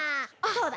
そうだ。